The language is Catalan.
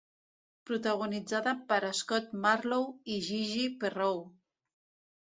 Protagonitzada per Scott Marlowe i Gigi Perreau.